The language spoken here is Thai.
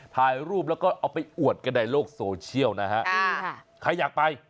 ถ่ายรูปแล้วก็เอาไปอวดกันในโลกโซเชียลนะฮะใครอยากไป